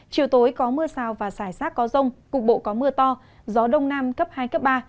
chiều tối có mưa rào và rải rác có rông cục bộ có mưa to gió đông nam cấp hai cấp ba